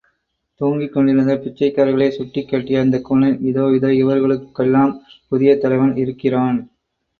தூங்கிக் கொண்டிருந்த பிச்சைக்காரர்களைச் சுட்டிக் காட்டிய அந்தக் கூனன், இதோ, இதோ, இவர்களுக்கெல்லாம் புதிய தலைவன் இருக்கிறான்.